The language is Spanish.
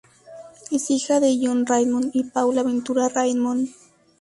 Es hija de John Raymond y Paula Ventura-Raymond.